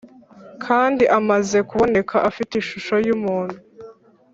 kandi amaze kuboneka afite ishusho yumuntu